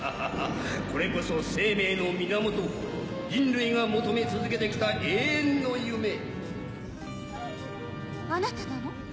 これこそ生命の源人類が求め続けてきた永遠の夢・あなたなの？